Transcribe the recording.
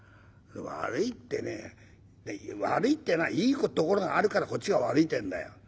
「悪いってね悪いっていうのはいいところがあるからこっちが悪いってえんだよ。